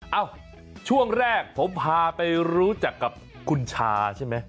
เอ้าช่วงแรกผมพาไปรู้จักกับคุณชาใช่ไหม